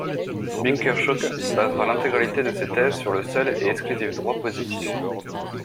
Bynkershoek basera l’intégralité de ses thèses sur le seul et exclusif droit positif.